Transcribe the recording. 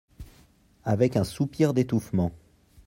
Avec un soupir d’étouffement.